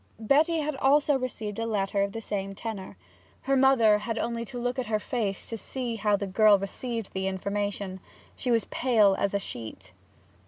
Betty had also received a letter of the same tenor. Her mother had only to look at her face to see how the girl received the information. She was as pale as a sheet.